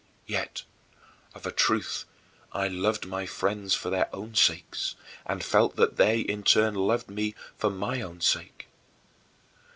Yet of a truth I loved my friends for their own sakes, and felt that they in turn loved me for my own sake.